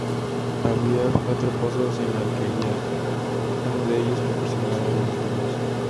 Había cuatro pozos en la alquería, uno de ellos proporcionaba agua a los baños.